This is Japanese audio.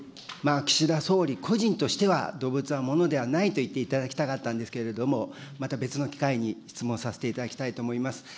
岸田総理個人としては、動物は物ではないと言っていただきたかったんですけれども、また別の機会に質問させていただきたいと思います。